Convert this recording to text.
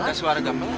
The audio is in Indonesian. ada suara gamelan